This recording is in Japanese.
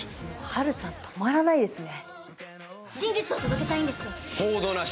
ハルさん、止まらないですね。